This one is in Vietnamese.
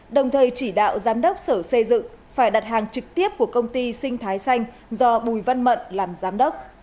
đạo giám đốc sở xây dựng phải đặt hàng trực tiếp của công ty sinh thái xanh do bùi văn mận làm giám đốc